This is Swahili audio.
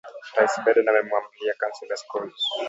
Rais Biden amemuambia Kansela Scholz